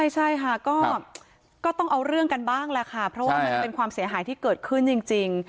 ใช่ค่ะก็ต้องเอาเรื่องกันบ้างแหละค่ะเพราะว่ามันเป็นความเสียหายที่เกิดขึ้นจริง